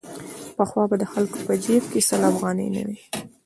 پخوا به د خلکو په جېب کې سل افغانۍ نه وې.